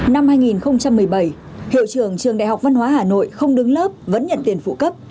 năm hai nghìn một mươi bảy hiệu trưởng trường đại học văn hóa hà nội không đứng lớp vẫn nhận tiền phụ cấp